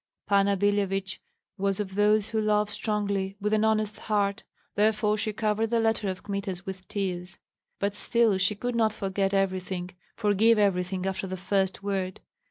Panna Billevich was of those who love strongly with an honest heart, therefore she covered that letter of Kmita's with tears. But still she could not forget everything, forgive everything after the first word.